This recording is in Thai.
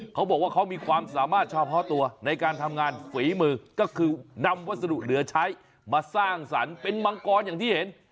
เขาบอกว่าเขามีความสามารถเฉพาะตัวในการทำงานฝีมือก็คือนำวัสดุเหลือใช้มาสร้างสรรค์เป็นมังกรอย่างที่เห็น